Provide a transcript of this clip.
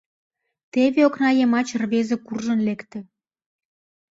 Теве окна йымач рвезе куржын лекте.